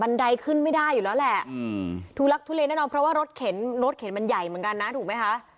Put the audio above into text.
ไดขึ้นไม่ได้อยู่แล้วแหละทุลักทุเลแน่นอนเพราะว่ารถเข็นรถเข็นมันใหญ่เหมือนกันนะถูกไหมคะ